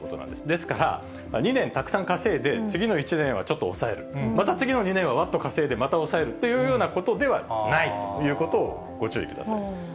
ですから、２年たくさん稼いで、次の１年はちょっと抑える、また次の２年はわっと稼いで、また抑えるというようなことではないということをご注意ください。